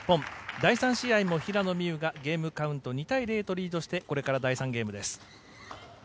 第３試合も平野美宇がゲームカウント２対０とリードして、これから第３ゲームです。